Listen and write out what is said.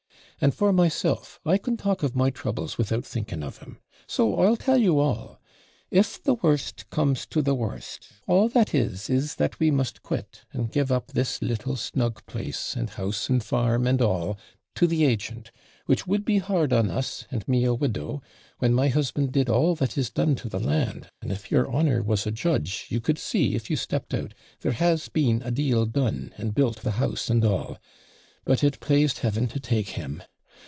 And for myself, I can talk of my troubles without thinking of them. So, I'll tell you all if the worst comes to the worst all that is, is, that we must quit, and give up this little snug place, and house, and farm, and all, to the agent which would be hard on us, and me a widow, when my husband did all that is done to the land; and if your honour was a judge, you could see, if you stepped out, there has been a deal done, and built the house, and all but it plased Heaven to take him.